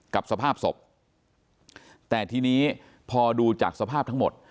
กับสภาพศพแต่ทีนี้พอดูจากสภาพทั้งหมด